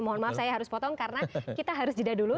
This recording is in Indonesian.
mohon maaf saya harus potong karena kita harus jeda dulu